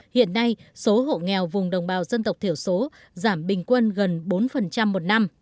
hiện nay số hộ nghèo vùng đồng bào dân tộc thiểu số giảm bình quân gần bốn một năm